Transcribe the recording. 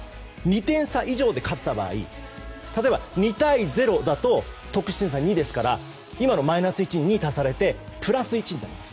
２点差以上で勝った場合例えば、２対０だと得失点差２ですから今のマイナス１に２足されてプラス１になります。